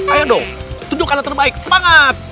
ayo dong tunjukkan latihan baik semangat